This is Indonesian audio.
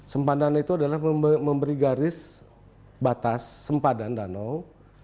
sempadan itu adalah memberi garis batas sempadan danau